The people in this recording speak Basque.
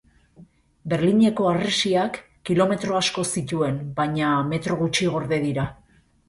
Berlineko harresiak kilometro asko zituen baina metro gutxi gorde dira.